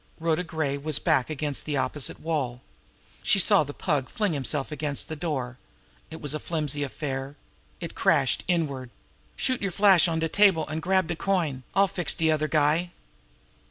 Rhoda Gray was back against the opposite wall. She saw the Pug fling himself against the door. It was a flimsy affair. It crashed inward. She heard him call to Pinkie: "Shoot yer flash on de table, an' grab de coin! I'll fix de other guy!"